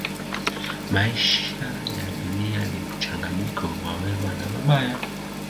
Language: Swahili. Maisha ya Dunia ni mchanganyiko wa mema na mabaya.